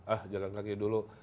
ah jalan kaki dulu